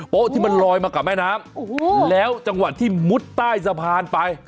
โป๊ะที่มันลอยมากับแม่น้ำแล้วจังหวัดที่มุดใต้สะพานไป